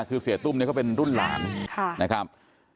คือเสียตุ้มเนี่ยเขาเป็นรุ่นหลานนะครับ